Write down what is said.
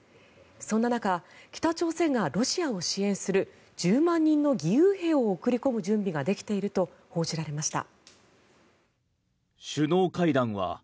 そんな中、北朝鮮がロシアを支援する１０万人の義勇兵を送り込む準備ができていると報じられました。